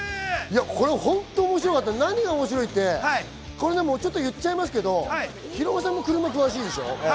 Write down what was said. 本当面白かった、何が面白いって、言っちゃいますけど、ヒロミさんも車詳しいでしょ。